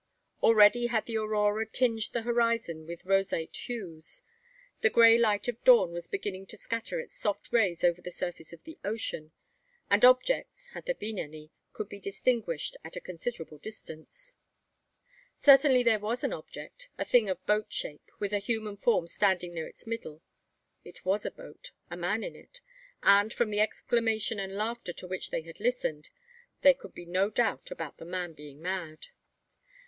Already had the aurora tinged the horizon with roseate hues. The grey light of dawn was beginning to scatter its soft rays over the surface of the ocean; and objects had there been any could be distinguished at a considerable distance. Certainly there was an object, a thing of boat shape, with a human form standing near its middle. It was a boat, a man in it; and, from the exclamation and laughter to which they had listened, there could be no doubt about the man being mad.